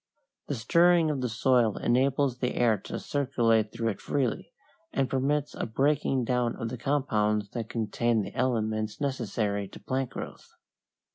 The stirring of the soil enables the air to circulate through it freely, and permits a breaking down of the compounds that contain the elements necessary to plant growth.